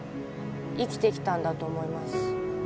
生きてきたんだと思います